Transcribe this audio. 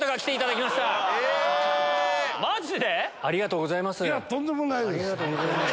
マジで⁉ありがとうございます。